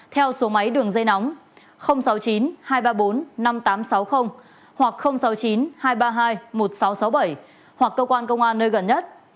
theo số máy đường dây nóng sáu mươi chín hai trăm ba mươi bốn năm nghìn tám trăm sáu mươi hoặc sáu mươi chín hai trăm ba mươi hai một nghìn sáu trăm sáu mươi bảy hoặc cơ quan công an nơi gần nhất